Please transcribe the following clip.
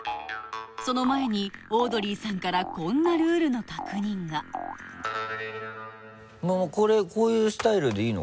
その前にオードリーさんからこんなルールの確認がこういうスタイルでいいの？